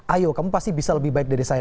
ayo kamu pasti bisa lebih baik dari saya